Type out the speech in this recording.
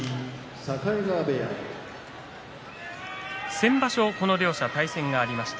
先場所、この両者は対戦がありました。